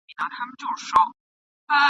پر ښکاري وه ډېر ه ګرانه نازولې ..